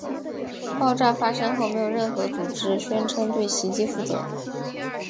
爆炸发生后没有任何组织宣称对袭击负责。